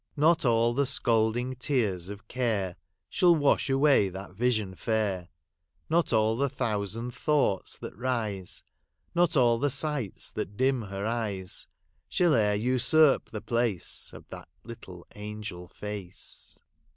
" Not all the scalding tears of care Shall wash away that vision fair ; Not all the thousand thoughts that rise, Not all the sights that dim her eyes, Shall e'er usurp the place Of that little angel face."